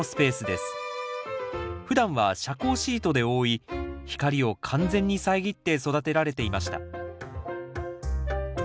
ふだんは遮光シートで覆い光を完全に遮って育てられていました